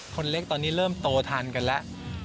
คนเล็กตอนนี้เริ่มโตทันกันแล้ว